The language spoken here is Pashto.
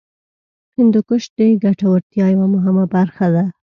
هندوکش د ګټورتیا یوه مهمه برخه ده.